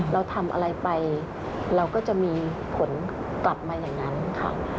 เราทำอะไรไปเราก็จะมีผลกลับมาอย่างนั้นค่ะ